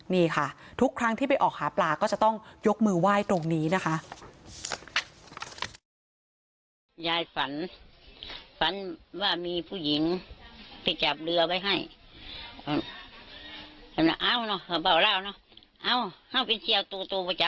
นี่ค่ะทุกครั้งที่ไปออกหาปลาก็จะต้องยกมือไหว้ตรงนี้นะคะ